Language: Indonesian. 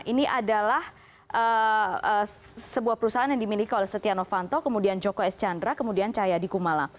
ini adalah sebuah perusahaan yang dimiliki oleh setia novanto kemudian joko es chandra kemudian cahaya di kumala